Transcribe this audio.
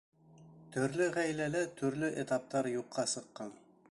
Төрлө ғаиләлә төрлө этаптар юҡҡа сыҡҡан.